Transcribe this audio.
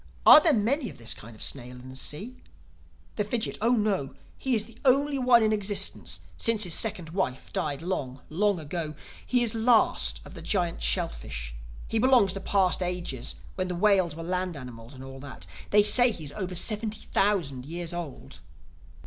Are there many of this kind of snail in the sea?" The Fidgit: "Oh no. He is the only one in existence, since his second wife died long, long ago. He is the last of the Giant Shellfish. He belongs to past ages when the whales were land animals and all that. They say he is over seventy thousand years old."